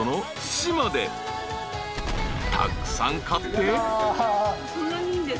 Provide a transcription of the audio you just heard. ［たくさん買って］